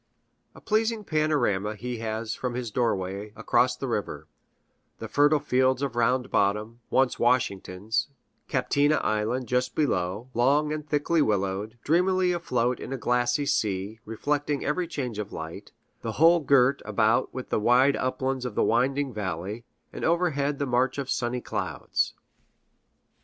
A pleasing panorama he has from his doorway across the river, the fertile fields of Round Bottom, once Washington's; Captina Island, just below, long and thickly willowed, dreamily afloat in a glassy sea, reflecting every change of light; the whole girt about with the wide uplands of the winding valley, and overhead the march of sunny clouds.